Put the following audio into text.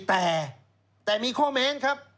แต่มีข้อเม้นครับ